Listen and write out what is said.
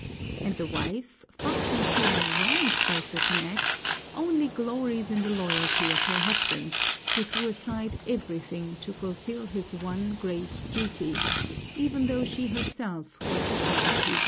And the wife, far from feeling wronged by such an act, only glories in the loyalty of her husband, who threw aside everything to fulfill his one great duty, even though she herself was his unhappy victim.